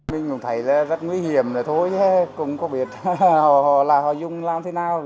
mình cũng thấy rất nguy hiểm rồi thôi cũng không biết họ dùng làm thế nào